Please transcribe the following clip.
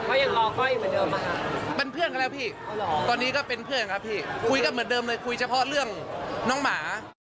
ก็ยังรอก้อยเหมือนเดิมอะค่ะเป็นเพื่อนกันแล้วพี่ตอนนี้ก็เป็นเพื่อนครับพี่คุยกันเหมือนเดิมเลยคุยเฉพาะเรื่องน้องหมา